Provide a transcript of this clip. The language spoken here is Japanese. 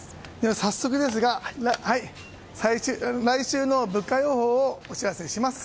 早速ですが来週の物価予報をお知らせします。